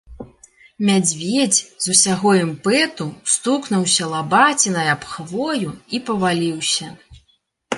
Мядзведзь з усяго імпэту стукнуўся лабацінай аб хвою і паваліўся.